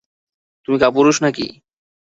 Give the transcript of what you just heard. তুমি কাপুরুষ নাকি?